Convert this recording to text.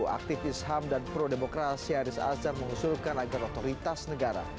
aktifis ham dan prodemokrasi aris azhar mengusulkan agar otoritas negara